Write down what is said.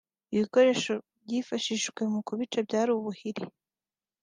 “Ibikoresho byifashishijwe mu kubica byari ubuhiri